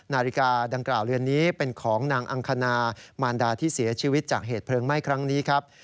นาฬิกาดังกล่าวเรือนนี้เป็นของนางอังคณามารดาที่เสียชีวิตจากเหตุเพลิงไหม้ครั้งนี้ครับ